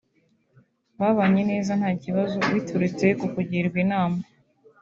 babanye neza nta kibazo biturutse ku kugirwa inama